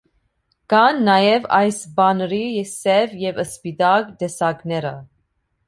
Կան նաև այս պանրի սև և սպիտակ տեսակները։